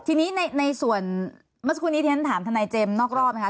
ทีนี้ในส่วนเมื่อสักครู่นี้ที่ฉันถามทนายเจมส์นอกรอบนะคะ